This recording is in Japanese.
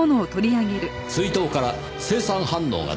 水筒から青酸反応が出ました。